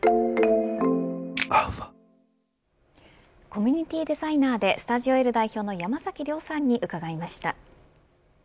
コミュニティデザイナーでｓｔｕｄｉｏ‐Ｌ代表の山崎亮さんに伺いました。